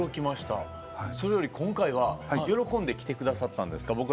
それより今回は喜んできてくださったんですか？